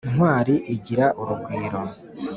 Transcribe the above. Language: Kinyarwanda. ntwali igira urugwiro